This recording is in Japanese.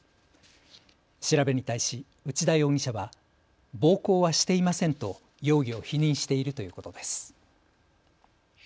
調べに対し内田容疑者は暴行はしていませんと容疑を否認しているということです。